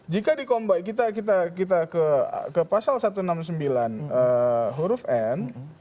jika di combay kita ke pasal satu ratus enam puluh sembilan huruf n